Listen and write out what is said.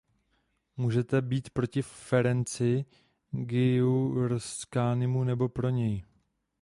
Můžete být proti Ferenci Gyurcsánymu nebo pro něj.